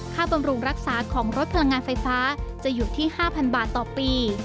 บำรุงรักษาของรถพลังงานไฟฟ้าจะอยู่ที่๕๐๐บาทต่อปี